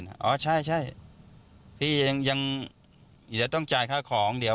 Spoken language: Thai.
เอาไป๔๐๐เถอะกันพี่